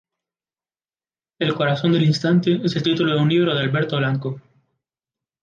El Corazón del Instante es el título de un libro de Alberto Blanco.